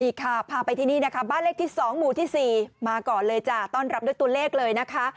ค่ะพาไปที่นี่นะคะบ้านเลขที่๒หมู่ที่๔มาก่อนเลยจ้ะต้อนรับด้วยตัวเลขเลยนะคะ